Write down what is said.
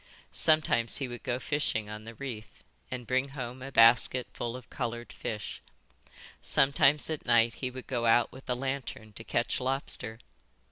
Sometimes he would go fishing on the reef, and bring home a basket full of coloured fish. Sometimes at night he would go out with a lantern to catch lobster.